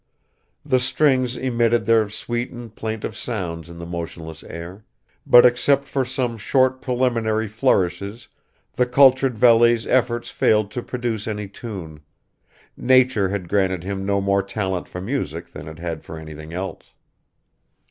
The strings emitted their sweet and plaintive sounds in the motionless air, but except for some short preliminary flourishes the cultured valet's efforts failed to produce any tune; nature had granted him no more talent for music than it had for anything else.